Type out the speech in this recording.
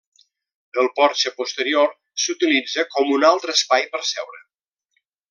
El porxe posterior s'utilitza com un altre espai per seure.